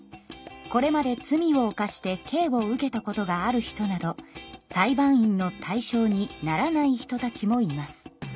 これまで罪を犯して刑を受けたことがある人など裁判員の対象にならない人たちもいます。